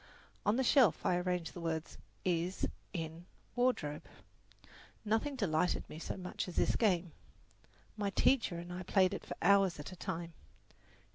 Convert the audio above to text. On the shelf I arranged the words, is, in, wardrobe. Nothing delighted me so much as this game. My teacher and I played it for hours at a time.